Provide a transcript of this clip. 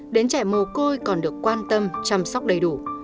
đến trẻ mồ côi còn được quan tâm chăm sóc đầy đủ